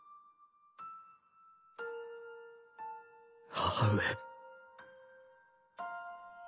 母上